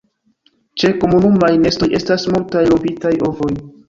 Ĉe komunumaj nestoj estas multaj rompitaj ovoj.